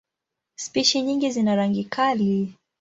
Spishi nyingi zina rangi kali.